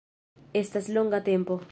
Estas longa tempo